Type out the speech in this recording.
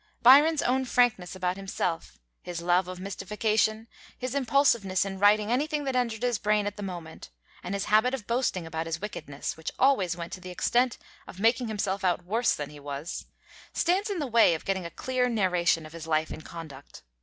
Byron's own frankness about himself, his love of mystification, his impulsiveness in writing anything that entered his brain at the moment, and his habit of boasting about his wickedness, which always went to the extent of making himself out worse than he was, stands in the way of getting a clear narration of his life and conduct.